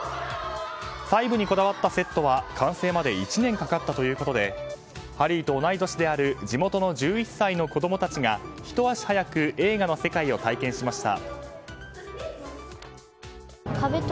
細部にこだわったセットは完成まで１年かかったということでハリーと同い年である地元の１１歳の子供たちがひと足早く映画の世界を体験しました。